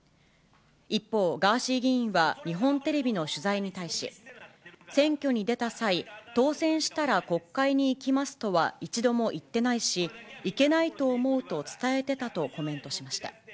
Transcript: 一方、ガーシー議員は日本テレビの取材に対し、選挙に出た際、当選したら国会に行きますとは一度も言ってないし、行けないと思うと伝えてたとコメントしました。